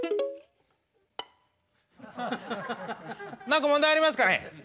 何か問題ありますかね。